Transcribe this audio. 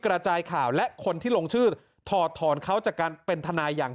กระจายข่าวและคนที่ลงชื่อถอดถอนเขาจากการเป็นทนายอย่าง